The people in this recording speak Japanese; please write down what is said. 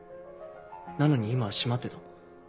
なのに今は閉まってた。